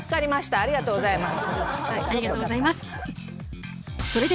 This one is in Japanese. ありがとうございます。